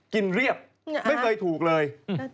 เรียบไม่เคยถูกเลย